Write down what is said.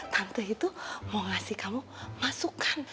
tante itu mau ngasih kamu masukkan